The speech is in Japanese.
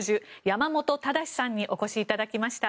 山本直さんにお越しいただきました。